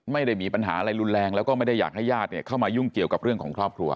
ไม่ได้มีปัญหาอะไรรุนแรงแล้วก็ไม่ได้อยากให้ญาติเข้ามายุ่งเกี่ยวกับเรื่องของครอบครัว